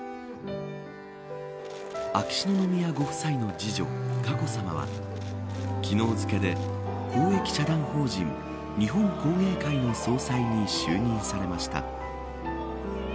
秋篠宮ご夫妻の次女、佳子さまは昨日付で公益社団法人日本工芸会の総裁に就任されました。